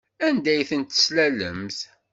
Anda ay ten-teslalemt?